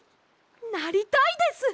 なりたいです！